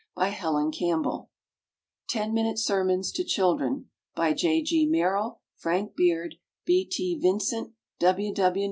By HELEN CAMPBELL. TEN MINUTE SERMONS TO CHILDREN. BY J. G. MERRILL, FRANK BEARD, B. T. VINCENT, W. W.